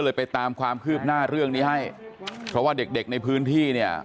ไปตามความคืบหน้าเรื่องนี้ให้เพราะว่าเด็กเด็กในพื้นที่เนี่ย